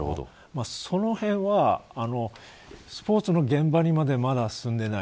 そのへんはスポーツの現場にまでまだ進んでいない。